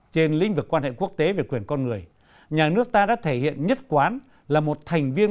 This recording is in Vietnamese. trên lĩnh vực quan hệ quốc tế về quyền con người nhà nước ta đã thể hiện nhất quán là một thành viên